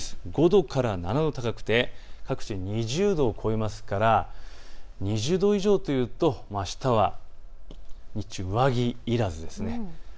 ５度から７度高くて各地で２０度を超えますから２０度以上というとあしたは日中、上着いらずです。